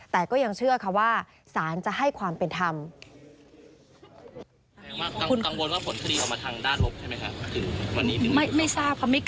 แต่ก็ยังเชื่อค่ะว่าสารจะให้ความเป็นธรรม